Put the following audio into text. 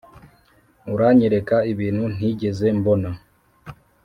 uranyereka ibintu ntigeze mbona